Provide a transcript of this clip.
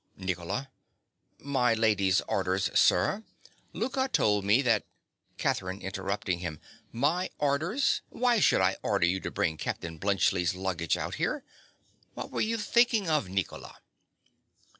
NICOLA. My lady's orders, sir. Louka told me that— CATHERINE. (interrupting him). My orders! Why should I order you to bring Captain Bluntschli's luggage out here? What are you thinking of, Nicola?